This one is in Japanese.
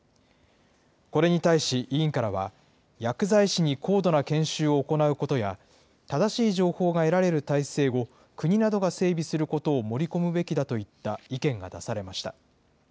これに対し、委員からは、薬剤師に高度な研修を行うことや、正しい情報が得られる体制を国などが整備することなどを盛り込むべきだといった意見が出されました。